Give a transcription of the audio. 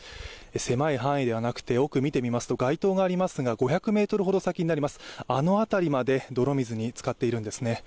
狭い範囲ではなくて奥見てみますと、街灯がありますが５００ｍほど先になります、あのあたりまで泥水につかっているんですね。